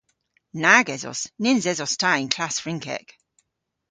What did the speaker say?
Nag esos. Nyns esos ta y'n klass Frynkek.